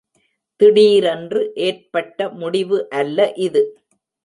திடீரென்று ஏற்பட்ட முடிவு அல்ல இது.